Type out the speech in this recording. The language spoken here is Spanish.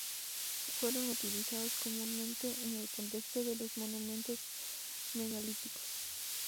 Fueron utilizados comúnmente en el contexto de los monumentos megalíticos.